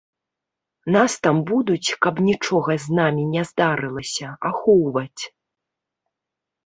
Нас там будуць, каб нічога з намі не здарылася, ахоўваць.